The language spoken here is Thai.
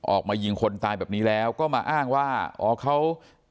ออกมายิงคนตายแบบนี้แล้วก็มาอ้างว่าอ๋อเขา